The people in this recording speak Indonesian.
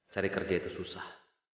cari kerja itu susah